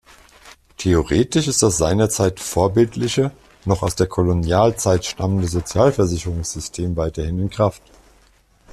Theoretisch ist das seinerzeit vorbildliche, noch aus der Kolonialzeit stammende Sozialversicherungssystem weiterhin in Kraft.